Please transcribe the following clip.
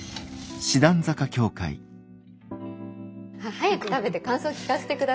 早く食べて感想聞かせてくださいよ。